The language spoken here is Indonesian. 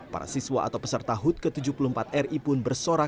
para siswa atau peserta hut ke tujuh puluh empat ri pun bersorak